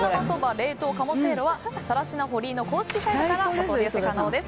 冷凍鴨せいろは更科堀井の公式サイトからお取り寄せ可能です。